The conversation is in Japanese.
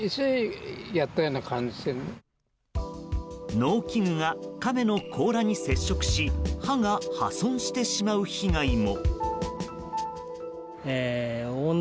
農機具がカメの甲羅に接触し刃が破損してしまう被害も。